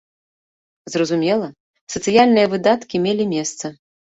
Зразумела, сацыяльныя выдаткі мелі месца.